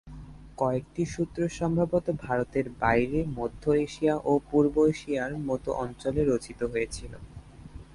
কয়েকটি সূত্র সম্ভবত ভারতের বাইরে মধ্য এশিয়া ও পূর্ব এশিয়ার মতো অঞ্চলে রচিত হয়েছিল।